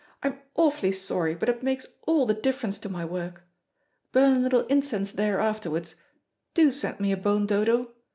I am awfully sorry, but it makes all the difference to my work. Burn a little incense there afterwards. Do send me a bone, Dodo.